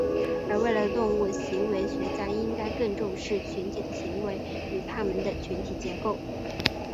而未来的动物行为学家应该更重视群体的行为与它们的群体结构。